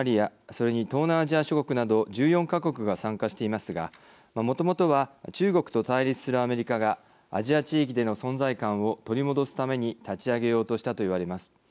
それに東南アジア諸国など１４か国が参加していますがもともとは中国と対立するアメリカがアジア地域での存在感を取り戻すために立ち上げようとしたといわれます。